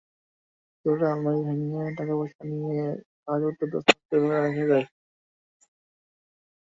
চোরেরা আলমারি ভেঙে টাকাপয়সা নিয়ে কাগজপত্র তছনছ করে ফেলে রেখে যায়।